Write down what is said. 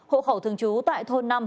hộ khẩu thường trú tại thôn năm